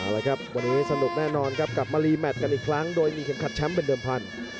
แล้วครับวันนี้สนุกแน่นอนครับกลับมารีแมทกันอีกครั้งโดยมีเข็มขัดแชมป์เป็นเดิมพันธุ์